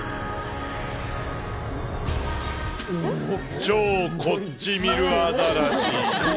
超こっち見るアザラシ。